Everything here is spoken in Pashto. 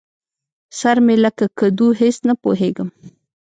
سر مې لکه کدو؛ هېڅ نه پوهېږم.